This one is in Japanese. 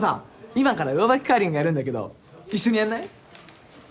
今から上履きカーリングやるんだけど一緒にやんない？